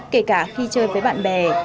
kể cả khi chơi với bạn bè